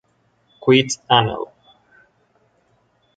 Quit., Anal.